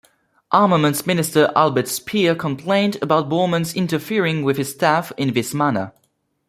Armaments Minister Albert Speer complained about Bormann's interfering with his staff in this manner.